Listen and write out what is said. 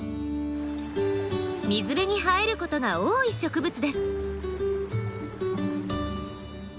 水辺に生えることが多い植物です。